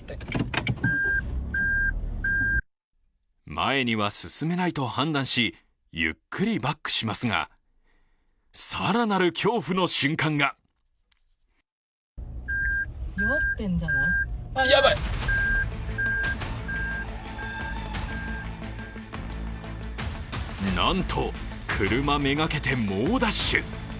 前には進めないと判断し、ゆっくりバックしますが更なる恐怖の瞬間がなんと、車めがけて猛ダッシュ。